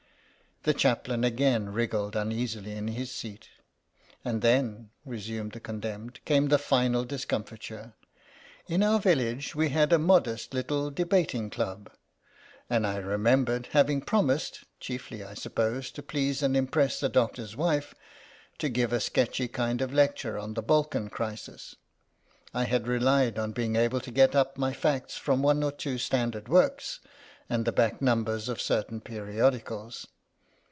The Chaplain again wriggled uneasily in his seat. "And then," resumed the con demned, "came the final discomfiture. In our village we had a modest little debating club, and I remembered having promised, chiefly, I suppose, to please and impress the doctor's wife, to give a sketchy kind of lecture on the Balkan Crisis. I had relied on being able to get up my facts from one or two standard works, and the back numbers of certain periodicals.